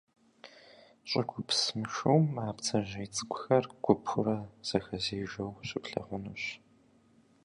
ЩӀыгупс мышыум а бдзэжьей цӀыкӀухэр гупурэ зэхэзежэу щыплъагъунущ.